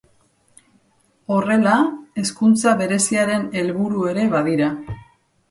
Horrela, hezkuntza bereziaren helburu ere badira.